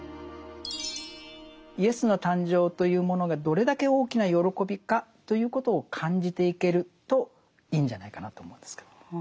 イエスの誕生というものがどれだけ大きな喜びかということを感じていけるといいんじゃないかなと思うんですけど。